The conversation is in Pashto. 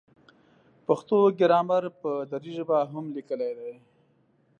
پښتو ګرامر په دري ژبه هم لیکلی دی.